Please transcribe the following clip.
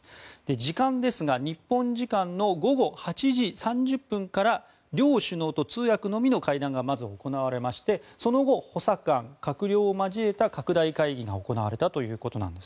時間ですが日本時間の午後８時３０分から両首脳と通訳のみの会談がまず行われましてその後、補佐官、閣僚を交えた拡大会議が行われたということなんです。